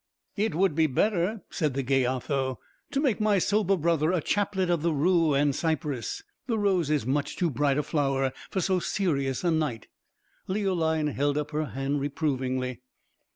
"It would be better," said the gay Otho, "to make my sober brother a chaplet of the rue and cypress; the rose is much too bright a flower for so serious a knight." Leoline held up her hand reprovingly.